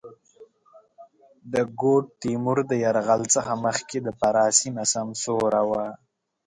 د ګوډ تېمور د یرغل څخه مخکې د فراه سېمه سمسوره وه.